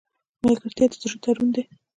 ملګرتیا د زړه تړون دی.